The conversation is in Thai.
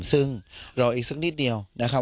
ซึ่งรออีกสักนิดเดียวนะครับ